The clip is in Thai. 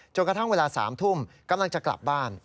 กระทั่งเวลา๓ทุ่มกำลังจะกลับบ้าน